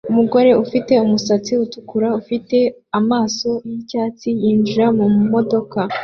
Umugore ufite umusatsi utukura ufite amaso yicyatsi yinjira mumodoka